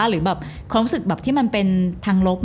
หรือแบบความรู้สึกแบบที่มันเป็นทางลบ